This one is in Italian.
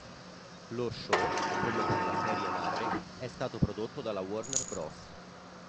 Lo show, come per la serie madre, è stato prodotto dalla Warner Bros.